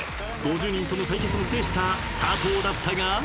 ［５０人との対決も制した佐藤だったが］